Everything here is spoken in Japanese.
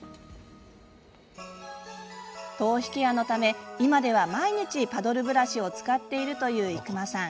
頭皮ケアのため今では毎日パドルブラシを使っているという伊熊さん。